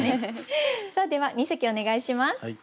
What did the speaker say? さあでは二席お願いします。